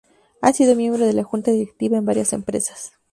Ha sido miembro de la Junta Directiva en varias empresas.